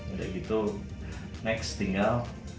udah gitu next tinggal